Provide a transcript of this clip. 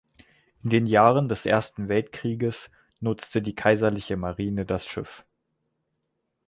In den Jahren des Ersten Weltkrieges nutzte die Kaiserliche Marine das Schiff.